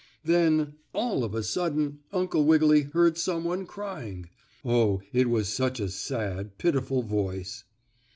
Then, all of a sudden Uncle Wiggily heard some one crying. Oh, it was such a sad, pitiful voice.